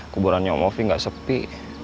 kuburannya om ovi gak sepi